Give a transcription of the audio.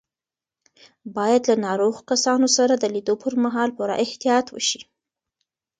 باید له ناروغو کسانو سره د لیدو پر مهال پوره احتیاط وشي.